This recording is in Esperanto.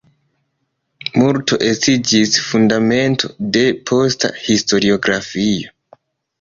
Multo estiĝis fundamento de posta historiografio.